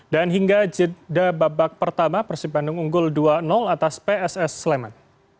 dan hingga jidda babak pertama persib bandung unggul dua atas pss sleman